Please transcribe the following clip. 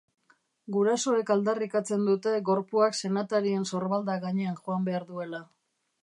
Gurasoek aldarrikatzen dute gorpuak senatarien sorbalda gainean joan behar duela.